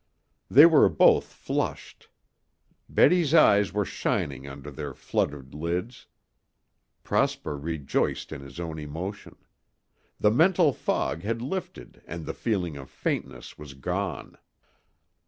They were both flushed. Betty's eyes were shining under their fluttering lids. Prosper rejoiced in his own emotion. The mental fog had lifted and the feeling of faintness was gone.